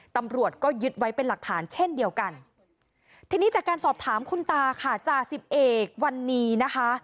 ตำรวจก็ยึดไว้เป็นหลักฐานเช่นเดียวกันทีนี้จากการสอบถามคุณตาค่ะจ่าสิบเอกวันนี้นะคะ